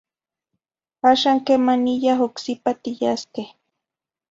Axan quemaniya ocsipa tiyasqueh.